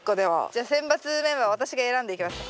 じゃあ選抜メンバー私が選んでいきますか。